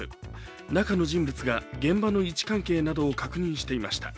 中の人物が現場の位置関係などを確認していました。